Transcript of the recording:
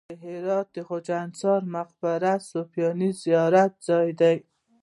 د هرات د خواجه انصاري مقبره د صوفیانو زیارت ځای دی